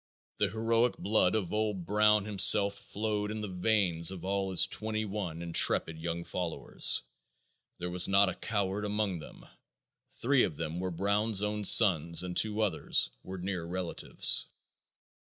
The heroic blood of old Brown himself flowed in the veins of all his twenty one intrepid young followers. There was not a coward among them. Three of them were Brown's own sons and two others were near relatives.